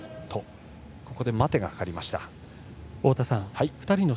ここで待てがかかりました。